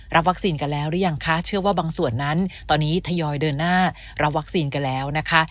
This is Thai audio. วัคซีนกันแล้วหรือยังคะเชื่อว่าบางส่วนนั้นตอนนี้ทยอยเดินหน้ารับวัคซีนกันแล้วนะคะ